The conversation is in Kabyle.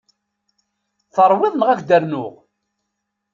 Teṛwiḍ neɣ ad k-d-rnuɣ?